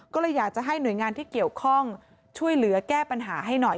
ก็เลยอยากจะให้หน่วยงานที่เกี่ยวข้องช่วยเหลือแก้ปัญหาให้หน่อย